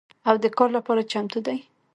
او د کار لپاره چمتو دي